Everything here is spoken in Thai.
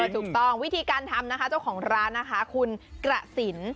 ถูกต้องวิธีการทำนะคะเจ้าของร้านนะคะคุณกระสิน